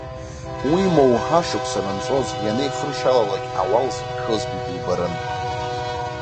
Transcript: Уимоу, ашықәс анынҵәоз, ианеихыршьалалак, ауал зықәшәозгьы дубарын.